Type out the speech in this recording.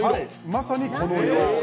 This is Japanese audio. まさにこの色。